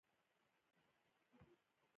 ازادي راډیو د بانکي نظام کیسې وړاندې کړي.